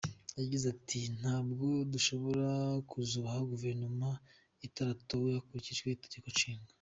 Yagize ati “Ntabwo dushobora kuzubaha guverinoma itaratowe hakurikijwe itegeko nshinga.